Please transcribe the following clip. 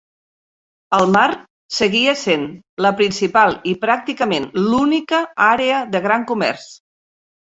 El mar seguia sent la principal, i pràcticament l'única, àrea de gran comerç.